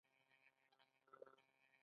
ساکانو په هند کې واکمني وکړه.